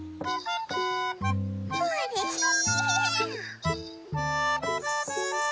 うれしい！